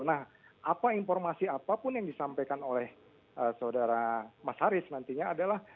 nah apa informasi apapun yang disampaikan oleh saudara mas haris nantinya adalah